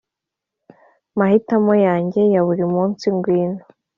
mahitamo yanjye ya buri munsi ngwino